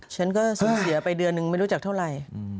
ฉันก็สูญเสียไปเดือนนึงไม่รู้จักเท่าไหร่